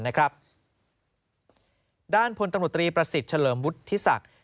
ด้านพลตำรวจตรีประสิทธิ์เฉลิมวุฒิศักดิ์